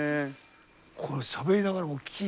これしゃべりながらもきー